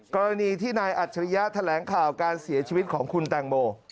กรณีที่นายอัจฉริยะแถลงข่าวการเสียชีวิตของคุณแตงโม